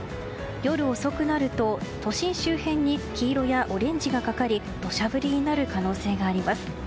夜遅くなると都心周辺に黄色やオレンジがかかり土砂降りになる可能性があります。